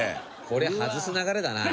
これは外す流れだな。